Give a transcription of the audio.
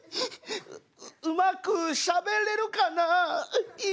うまくしゃべれるかな。